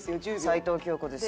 「齊藤京子です。